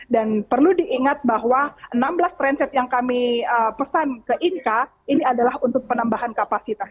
dan perlu diingat bahwa enam belas transit yang kami pesan ke inka ini adalah untuk penambahan kapasitas